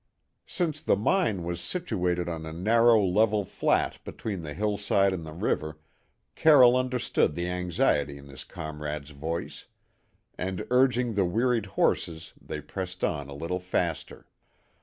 Since the mine was situated on a narrow level flat between the hillside and the river, Carroll understood the anxiety in his comrade's voice; and urging the wearied horses they pressed on a little faster.